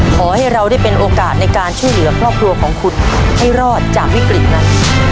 ขอให้เราได้เป็นโอกาสในการช่วยเหลือครอบครัวของคุณให้รอดจากวิกฤตนั้น